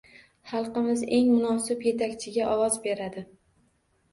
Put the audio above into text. Xalqimiz eng munosib yetakchiga ovoz beradi